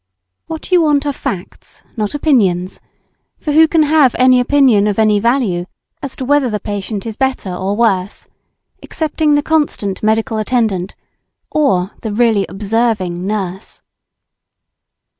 What you want are facts, not opinions for who can have any opinion of any value as to whether the patient is better or worse, excepting the constant medical attendant, or the really observing nurse?